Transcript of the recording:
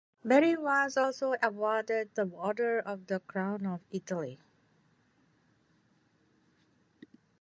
Berry was also awarded the Order of the Crown of Italy.